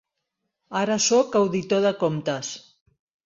Ara sóc auditor de comptes.